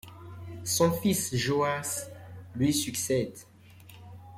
Son fils Joas lui succède.